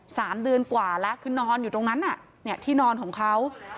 สามเดือนกว่าแล้วคือนอนอยู่ตรงนั้นน่ะเนี่ยที่นอนของเขา